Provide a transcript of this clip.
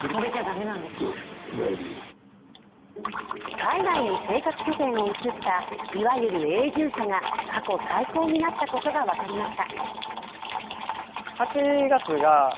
海外に生活拠点を移したいわゆる永住者が、過去最高になったことが分かりました。